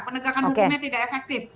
penegakan hukumnya tidak efektif